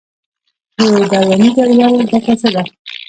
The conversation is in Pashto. د دوراني جدول ګټه څه ده.